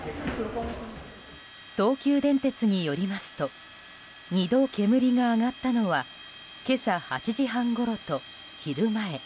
東急電鉄によりますと２度、煙が上がったのは今朝８時半ごろと昼前。